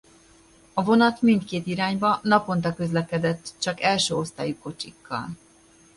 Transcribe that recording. A vonat mindkét irányba naponta közlekedett csak első osztályú kocsikkal.